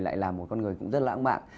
lại là một con người cũng rất lãng mạn